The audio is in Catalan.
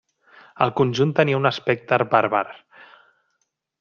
El conjunt tenia un aspecte bàrbar.